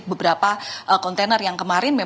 beberapa kontainer yang kemarin